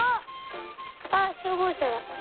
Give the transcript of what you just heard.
あっしょうぼうしゃだ！